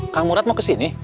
kang murad mau kesini